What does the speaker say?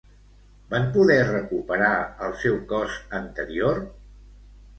Van poder recuperar el seu cos anterior?